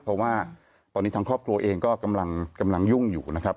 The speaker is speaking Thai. เพราะว่าตอนนี้ทางครอบครัวเองก็กำลังยุ่งอยู่นะครับ